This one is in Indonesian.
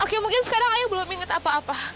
oke mungkin sekarang ayah belum inget apa apa